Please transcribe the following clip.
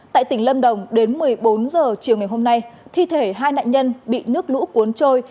tại tỉnh lâm đồng đến một mươi bốn h chiều ngày hôm nay thi thể hai nạn nhân bị nước lũ cuốn trôi